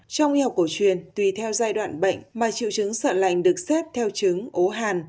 trong nghi học cổ truyền tùy theo giai đoạn bệnh mà triệu chứng sợ lạnh được xếp theo chứng ố hàn